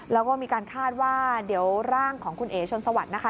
แล้วก็มีการคาดว่าเดี๋ยวร่างของคุณเอ๋ชนสวัสดิ์นะคะ